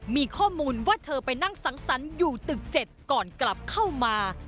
มีข้อมูลว่าเธอไปนั่งสังสรรค์อยู่ตึก๗ก่อนกลับเข้ามา